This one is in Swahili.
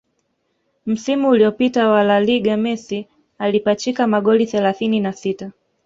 Msimu uliopita wa La Liga Messi alipachika magoli thelathini na sita